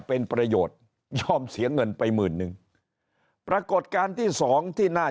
เป็นประโยชน์ย่อมเสียเงินไปหมื่นหนึ่งปรากฏการณ์ที่สองที่น่า